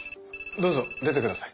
どうぞ出てください。